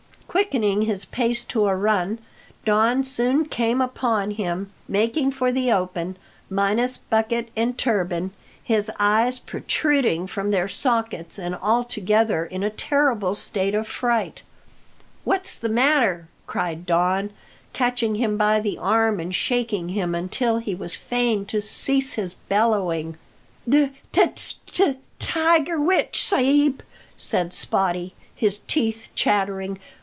Quickening his pace to a run, Don soon came upon him, making for the open, minus bucket and turban, his eyes protruding from their sockets, and altogether in a terrible state of fright. "What's the matter?" cried Don, catching him by the arm and shaking him until he was fain to cease his bellowing. "De t t tiger witch, sa'b!" said Spottie, his teeth chattering.